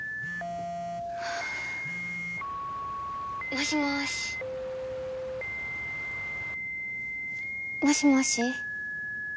☎もしもーしもしもし？